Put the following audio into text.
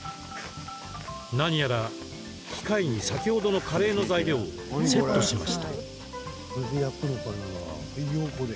何やら機械に、先ほどのカレーの材料をセットしました。